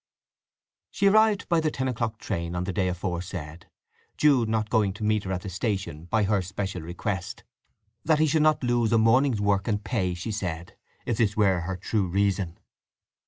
She arrived by the ten o'clock train on the day aforesaid, Jude not going to meet her at the station, by her special request, that he should not lose a morning's work and pay, she said (if this were her true reason).